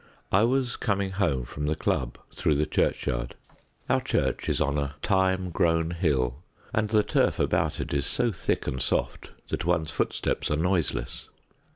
I was coming home from the Club through the churchyard. Our church is on a thyme grown hill, and the turf about it is so thick and soft that one's footsteps are noiseless.